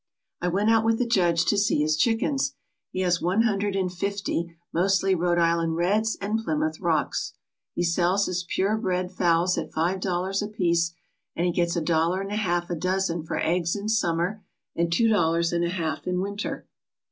I went out with the judge to see his chickens. He has one hundred and fifty, mostly Rhode Island Reds and Plymouth Rocks. He sells his pure bred fowls at five dollars apiece, and he gets a dollar and a half a dozen for eggs in summer and two dollars and a half in winter.